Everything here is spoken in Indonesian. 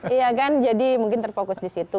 iya kan jadi mungkin terfokus disitu